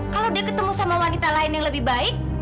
kalau dia ketemu sama wanita lain yang lebih baik